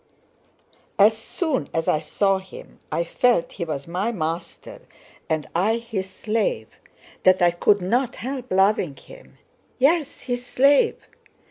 As soon as I saw him I felt he was my master and I his slave, and that I could not help loving him. Yes, his slave!